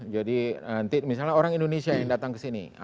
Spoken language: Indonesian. jadi nanti misalnya orang indonesia yang datang ke sini